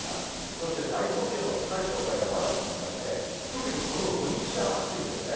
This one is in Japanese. そして最高気温の高い状態が、まだ続きまして、特にこの土日が暑いですね。